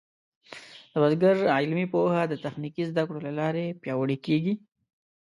د بزګر علمي پوهه د تخنیکي زده کړو له لارې پیاوړې کېږي.